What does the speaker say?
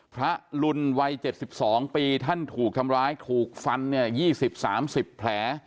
ลุนวัย๗๒ปีท่านถูกทำร้ายถูกฟันเนี่ย๒๐๓๐แผล